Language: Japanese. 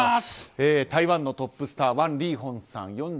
台湾のトップスターワン・リーホンさん